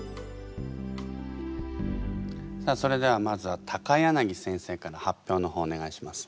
さあそれではまずは柳先生から発表のほうをお願いします。